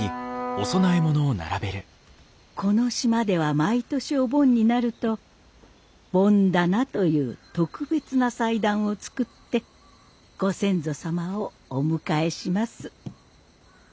この島では毎年お盆になると盆棚という特別な祭壇を作ってご先祖様をお迎えします。